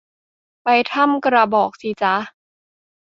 ไปถ้ำกระบอกสิจ๊ะ